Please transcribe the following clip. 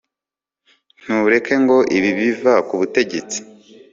ntureke ngo ibi biva kubutegetsi